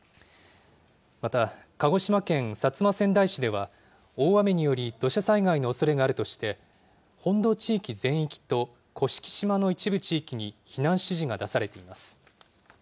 また、鹿児島県薩摩川内市では大雨により土砂災害のおそれがあるとして、本土地域全域と甑島の一部地域に避難指示が出されています。